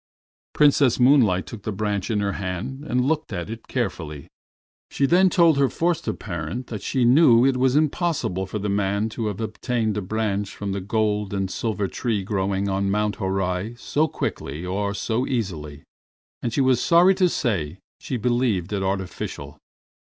Princess Moonlight took the branch in her hand and looked at it carefully. She then told her foster parent that she knew it was impossible for the man to have obtained a branch from the gold and silver tree growing on Mount Horai so quickly or so easily, and she was sorry to say she believed it artificial.